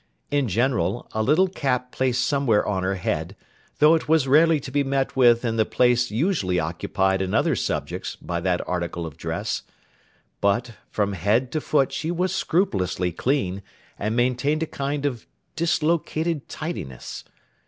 In general, a little cap placed somewhere on her head; though it was rarely to be met with in the place usually occupied in other subjects, by that article of dress; but, from head to foot she was scrupulously clean, and maintained a kind of dislocated tidiness.